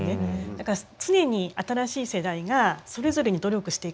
だから常に新しい世代がそれぞれに努力していかなければならない。